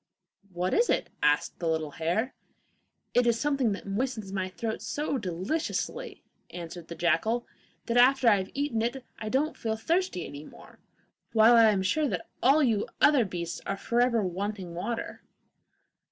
'What is it?' asked the little hare. 'It is something that moistens my throat so deliciously,' answered the jackal, 'that after I have eaten it I don't feel thirsty any more, while I am sure that all you other beasts are for ever wanting water.